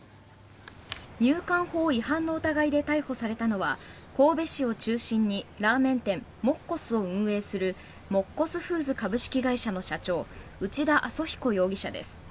入管法違反の疑いで逮捕されたのは神戸市を中心にラーメン店もっこすを運営するもっこすフーズ株式会社の社長内田阿ソ彦容疑者です。